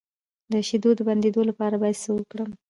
د شیدو د بندیدو لپاره باید څه وکړم؟